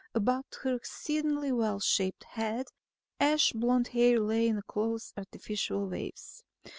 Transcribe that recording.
About her exceedingly well shaped head ash blonde hair lay in close artificial waves.